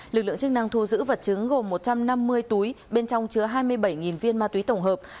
lực lượng chức năng thu giữ vật chứng gồm một trăm năm mươi túi bên trong chứa hai mươi bảy viên ma túy tổng hợp